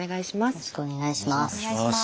よろしくお願いします。